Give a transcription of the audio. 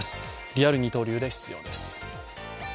リアル二刀流で出場です。